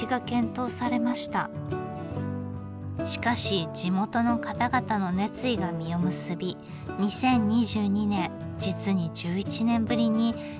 しかし地元の方々の熱意が実を結び２０２２年実に１１年ぶりに全線運転再開となりました。